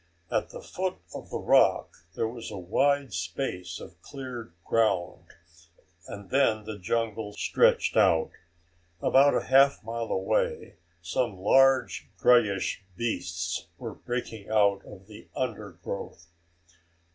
At the foot of the rock there was a wide space of cleared ground, and then the jungle stretched out. About a half mile away some large greyish beasts were breaking out of the undergrowth.